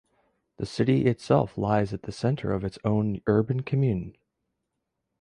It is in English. The city itself lies at the centre of its own Urban Commune.